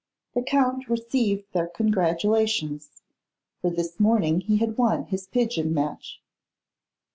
The Count received their congratulations, for this morning he had won his pigeon match.